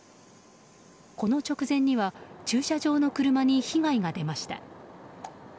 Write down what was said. この直前には駐車場の車に被害が出ました。